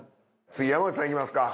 次山内さんいきますか。